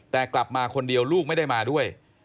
แต่กลับมาคนเดียวลูกไม่ได้มาด้วย